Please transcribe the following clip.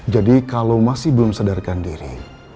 jadi kalau masih belum sadarkan diri